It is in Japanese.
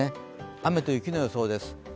雨と雪の予想です。